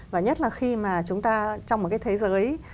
và nhất là khi mà chúng ta trong một cái thế giới